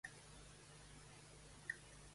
Només va publicar en castellà?